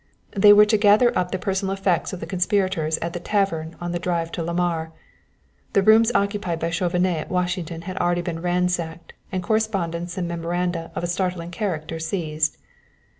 They were to gather up the personal effects of the conspirators at the tavern on the drive to Lamar. The rooms occupied by Chauvenet at Washington had already been ransacked and correspondence and memoranda of a startling character seized.